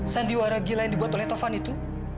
sandiwara gila yang dibuat oleh tovan itu